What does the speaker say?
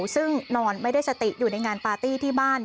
ซึ่งนอนไม่ได้สติอยู่ในงานปาร์ตี้ที่บ้าน